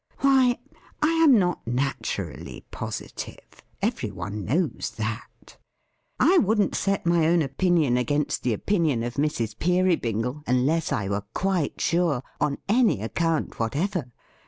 Why, I am not naturally positive. Every one knows that. I wouldn't set my own opinion against the opinion of Mrs. Peerybingle, unless I were quite sure, on any account whatever.